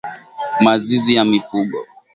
Mazizi ya mifugo